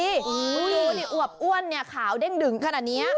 คุณดูดิอวบอ้วนเนี่ยขาวเด้งดึงขนาดนี้